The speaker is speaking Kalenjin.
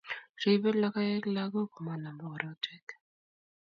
Ribei logoek lagok komanam korotwek